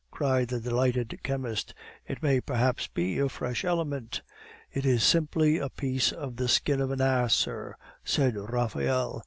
cried the delighted chemist; "it may, perhaps, be a fresh element." "It is simply a piece of the skin of an ass, sir," said Raphael.